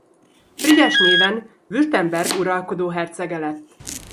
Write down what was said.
Frigyes néven Württemberg uralkodó hercege lett.